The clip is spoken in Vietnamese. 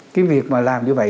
cái việc mà làm như vậy